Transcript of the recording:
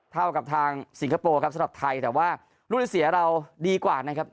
เท่ากับทางสิงคโปร์ครับสำหรับไทยแต่ว่ารุ่นที่เสียเราดีกว่านะครับ